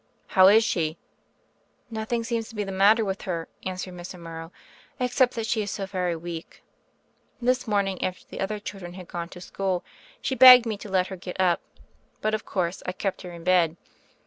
"How is she?" "Nothing seems to be the matter with her," answered Mrs. Morrow, "except that she is so very weak. This morning, after the other chil dren had gone to school, she begged me to let her get up; but, of course, I kept her in bed.